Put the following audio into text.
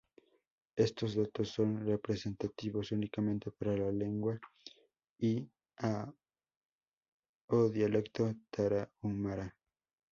Estos datos son representativos únicamente para la lengua y o dialecto Tarahumara.